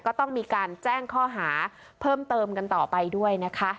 ก็ต้องมีการแจ้งข้อหาเพิ่มเติมกันต่อไปด้วยนะคะ